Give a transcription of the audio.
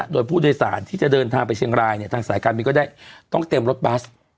โดยผู้โดยสารที่จะเดินทางไปเชียงรายเนี่ยทางสายการบินก็ได้ต้องเตรียมรถบัส